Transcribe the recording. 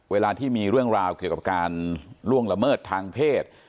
เวลาที่มีเรื่องราวเกี่ยวกับการล่วงละเมิดทางเพศ